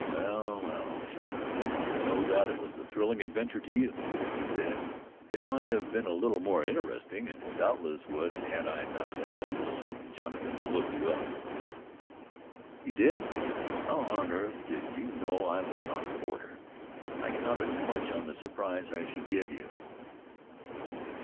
"Well, well, Sheppard, no doubt it was a thrilling adventure to you," he said. "It might have been a little more interesting, and doubtless would, had I not sent Wetzel and Jonathan to look you up." "You did? How on earth did you know I was on the border? I counted much on the surprise I should give you."